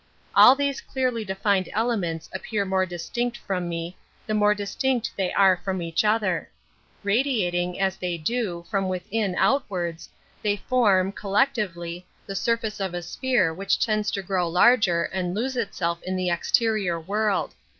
' All these clearly defined elements appear more distinct from me, the more distinct they are from each other. Radiating, as they do, from within outwards, they form, col lectively, the surface of a sphere which tends to grow larger and lose itself in the A J Metaphysics 1 1 exterior world.